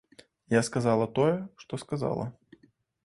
Я сказала тое, што сказала.